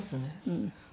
うん。